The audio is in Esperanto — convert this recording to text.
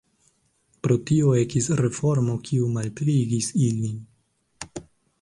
Pro tio ekis reformo kiu malpliigis ilin.